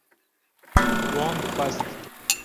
Wan xwest